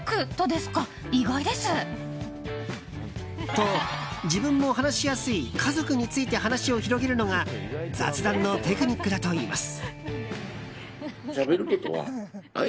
と、自分も話しやすい家族について話を広げるのが雑談のテクニックだといいます。